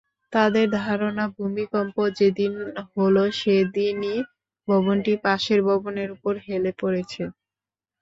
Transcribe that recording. তাঁদের ধারণা ভূমিকম্প যেদিন হলো সেদিনই ভবনটি পাশের ভবনের ওপর হেলে পড়েছে।